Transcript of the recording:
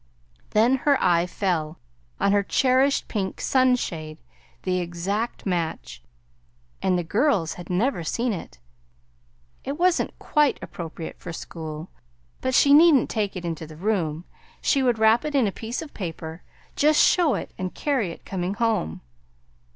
Then her eye fell on her cherished pink sunshade, the exact match, and the girls had never seen it. It wasn't quite appropriate for school, but she needn't take it into the room; she would wrap it in a piece of paper, just show it, and carry it coming home.